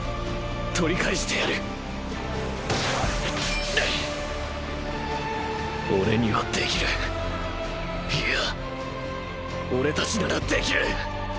取り返してやるオレにはできるいやオレたちならできる！！